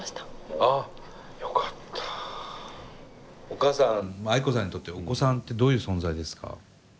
お母さんアイコさんにとってお子さんってどういう存在ですか？